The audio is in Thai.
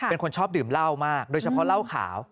เป็นคนชอบดื่มเหล้ามากโดยเฉพาะเหล้าขาว